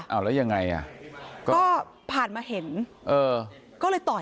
เอาแล้วยังไงอ่ะก็ผ่านมาเห็นเออก็เลยต่อย